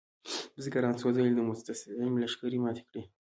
بزګرانو څو ځلې د مستعصم لښکرې ماتې کړې.